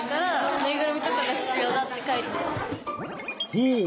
ほう！